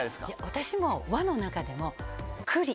私も和の中でも。